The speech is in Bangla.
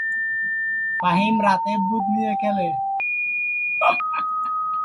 সম্প্রতি পরীক্ষামূলকভাবে ঢাকা-কাঠমান্ডু রুটে যাত্রী পরিবহন করে শ্যামলী।